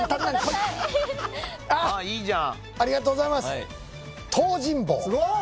ありがとうございます。